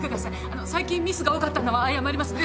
あの最近ミスが多かったのは謝ります。